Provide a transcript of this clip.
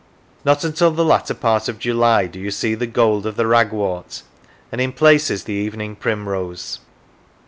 Not until the latter part of July do you see the gold of the ragwort and, in places, the evening primrose.